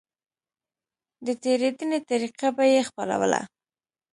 د تېرېدنې طريقه به يې خپلوله.